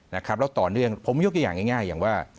แล้วต่อเนื่องผมยกตัวอย่างง่ายอย่างว่า